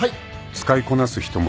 ［使いこなす人もいる］